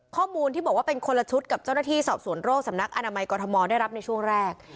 ข้อมูลที่บอกว่าเป็นคนละชุดกับเจ้าหน้าที่สอบสวนโรคสำนักอนามัยกรทมได้รับในช่วงแรก